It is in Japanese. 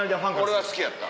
俺は好きやった。